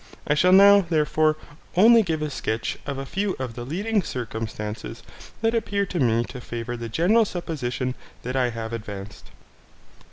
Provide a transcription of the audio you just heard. I shall now, therefore, only give a sketch of a few of the leading circumstances that appear to me to favour the general supposition that I have advanced.)